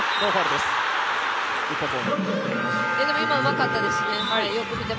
今、うまかったですね。